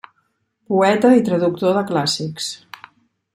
Poeta i traductor de clàssics.